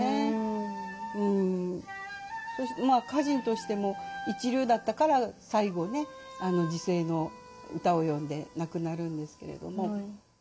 まあ歌人としても一流だったから最期ね辞世の歌を詠んで亡くなるんですけれども。